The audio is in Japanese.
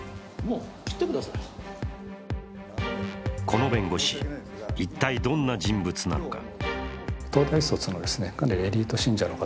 この弁護士、一体どんな人物なのか。